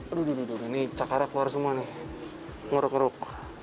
aduh ini cakarnya keluar semua nih ngeruk ngeruk